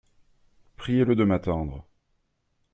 Priez-le de m’attendre.